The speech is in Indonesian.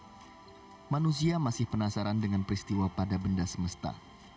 tapi manusia masih penasaran dengan peristiwa pada benda semesta